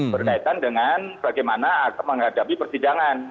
berkaitan dengan bagaimana menghadapi persidangan